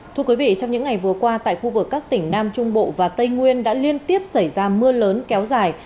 thưa quý vị trong những ngày vừa qua tại khu vực các tỉnh nam trung bộ và tây nguyên đã liên tiếp xảy ra mưa lớn kéo dài